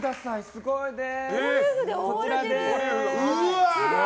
すごいです。